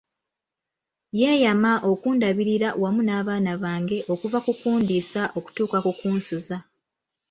Yeeyama okundabirira wamu n'abaana bange okuva ku kundiisa okutuuka ku kunsuza.